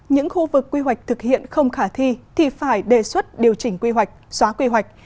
những khu vực quy hoạch thực hiện không khả thi thì phải đề xuất điều chỉnh quy hoạch xóa quy hoạch